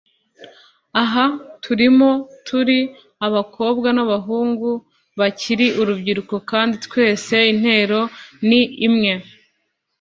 Aha turimo turi abakobwa n’abahungu bakiri urubyiruko kandi twese intero ni imwe